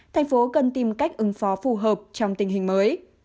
thành phố cần tìm cách ứng phó phù hợp trong tình hình mới